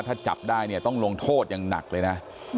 ถ้าจับได้เนี่ยต้องลงโทษอย่างหนักเลยนะ